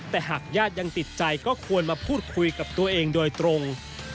แต่หากญาติยังติดใจก็ควรมาพูดคุยกับตัวเองโดยตรง